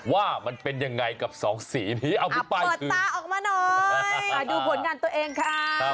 ว่ามันเป็นยังไงกับสองสีนี้เอาไปตรวจตาออกมาหน่อยดูผลงานตัวเองค่ะ